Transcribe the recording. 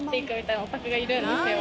がいるんですよ